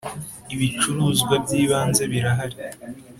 ibicuruzwa by’ ibanze birahari.